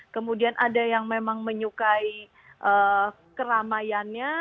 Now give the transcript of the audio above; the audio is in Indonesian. kemudian ada yang memang menyukai keramaiannya